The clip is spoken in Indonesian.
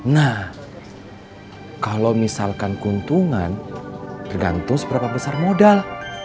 nah kalau misalkan keuntungan tergantung seberapa besar modal